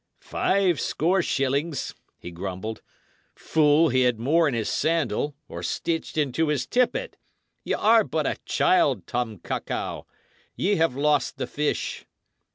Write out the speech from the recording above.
"Five score shillings!" he grumbled. "Fool, he had more in his sandal, or stitched into his tippet. Y' are but a child, Tom Cuckow; ye have lost the fish."